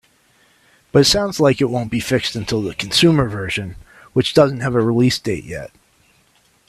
But it sounds like it won't be fixed until the consumer version, which doesn't have a release date yet.